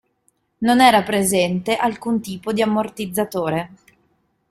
Non era presente alcun tipo di ammortizzatore.